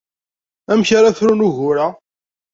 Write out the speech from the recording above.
Amek ara frun ugur-a?